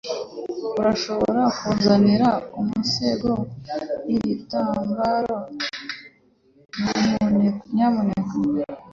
Urashobora kunzanira umusego nigitambaro, nyamuneka?